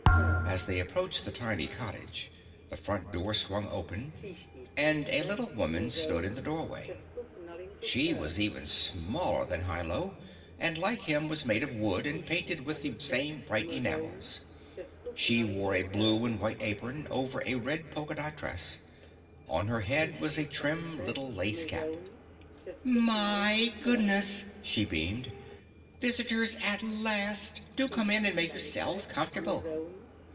As they approached the tiny cottage, the front door swung open, and a little woman stood in the doorway. She was even smaller than Hi Lo, and like him was made of wood and painted with the same bright enamels. She wore a blue and white apron over a red polka dot dress. On her head was a trim little lace cap. "My goodness!" she beamed. "Visitors at last! Do come in and make yourselves comfortable."